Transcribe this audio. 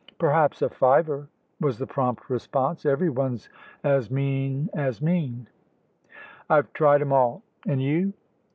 "Perhaps a fiver," was the prompt response; "every one's as mean as mean. I've tried 'em all. And you?"